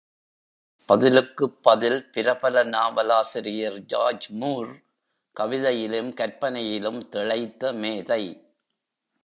பதிலுக்கு பதில் பிரபல நாவலாசிரியர் ஜார்ஜ் மூர் கவிதையிலும் கற்பனையிலும் திளைத்த மேதை.